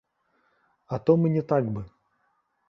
А то мы не так бы.